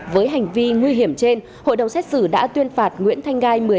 với hành vi nguy hiểm trên hội đồng xét xử đã tuyên phạt nguyễn thanh gai